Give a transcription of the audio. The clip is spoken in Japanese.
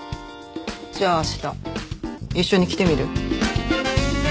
じゃあ明日一緒に来てみる？